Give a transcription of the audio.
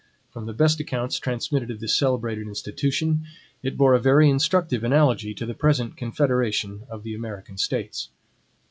From the best accounts transmitted of this celebrated institution, it bore a very instructive analogy to the present Confederation of the American States.